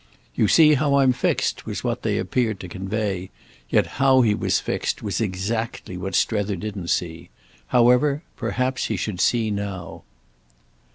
"You see how I'm fixed," was what they appeared to convey; yet how he was fixed was exactly what Strether didn't see. However, perhaps he should see now.